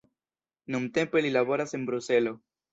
Nuntempe li laboras en Bruselo.